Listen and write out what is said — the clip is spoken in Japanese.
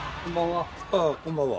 こんばんは。